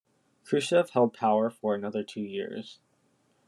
Khrushchev held power for another two years.